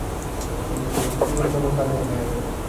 El dispositivo solo sale en negro.